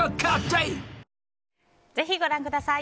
ぜひご覧ください。